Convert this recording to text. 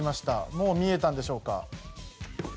もう見えたんでしょうか？